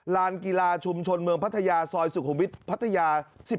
ลานกีฬาชุมชนเมืองพัทยาซอยสุขุมวิทย์พัทยา๑๑